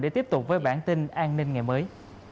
để tiếp tục với bản tin an ninh ngày mới